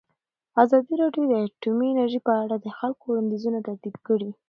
ازادي راډیو د اټومي انرژي په اړه د خلکو وړاندیزونه ترتیب کړي.